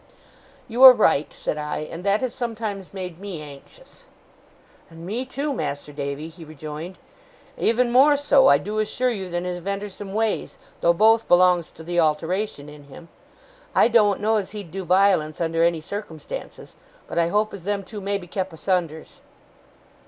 'You are right,' said I, 'and that has sometimes made me anxious.' 'And me too, Mas'r Davy,' he rejoined. 'Even more so, I do assure you, than his ventersome ways, though both belongs to the alteration in him. I doen't know as he'd do violence under any circumstances, but I hope as them two may be kep asunders.